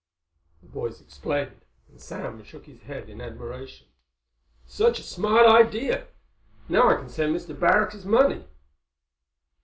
The boys explained, and Sam shook his head in admiration. "Such a smart idea. Now I can send Mr. Barrack his money."